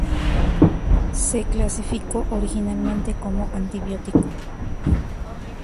Se clasificó originalmente como antibiótico.